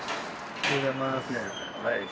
おはようございます。